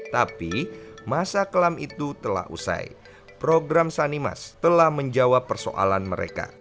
tapi masa kelam itu telah usai program sanimas telah menjawab persoalan mereka